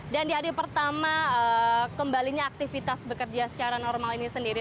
di hari pertama kembalinya aktivitas bekerja secara normal ini sendiri